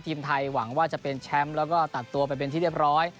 ทีมไทยหวังว่าจะเป็นแชมป์แล้วก็ตัดตัวไปเป็นที่เรียบร้อย